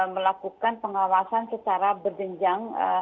melakukan pengawasan secara berjenjang